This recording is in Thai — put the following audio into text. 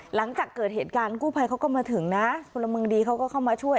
หลังจากเกิดเหตุการณ์กู้ภัยเขาก็มาถึงนะพลเมืองดีเขาก็เข้ามาช่วย